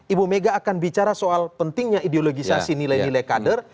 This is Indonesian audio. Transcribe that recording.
ibu mega akan bicara soal pentingnya ideologisasi nilai nilai kader